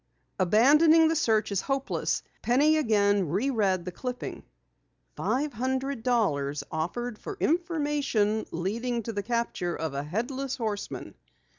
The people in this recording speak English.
Abandoning the search as hopeless, Penny again reread the clipping. Five hundred dollars offered for information leading to the capture of a Headless Horseman!